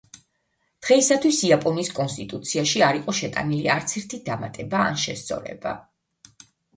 დღეისათვის იაპონიის კონსტიტუციაში არ იყო შეტანილი არც ერთი დამატება ან შესწორება.